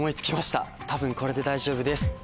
多分これで大丈夫です。